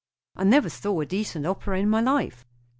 "I never saw a decent opera in my life."